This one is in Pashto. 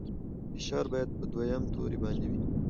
فشار باید په دویم توري باندې وي.